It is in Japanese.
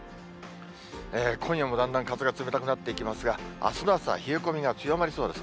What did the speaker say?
今夜もだんだん風が冷たくなっていきますが、あすの朝は冷え込みが強まりそうです。